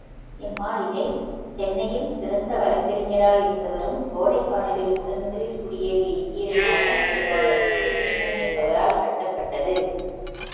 இம் மாளிகை சென்னையில் சிறந்த வழக்கறிஞராயிருந்தவரும், கோடைக்கானலில் முதன் முதலில் குடியேறிய இந்தியருமான திருவாளர் முத்துகிருஷ்ணன் என்பவரால் கட்டப்பட்டது.